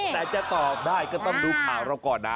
แต่จะตอบได้ก็ต้องดูข่าวเราก่อนนะ